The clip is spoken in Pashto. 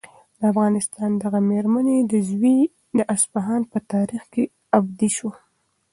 د افغانستان دغه مېړنی زوی د اصفهان په تاریخ کې ابدي شو.